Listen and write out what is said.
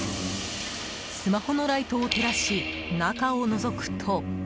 スマホのライトを照らし中をのぞくと。